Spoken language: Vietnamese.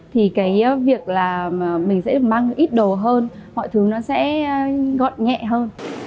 thì cái việc là mình sẽ được mang ít đồ hơn mọi thứ nó sẽ gọn nhẹ hơn